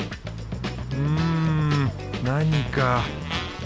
うん何か。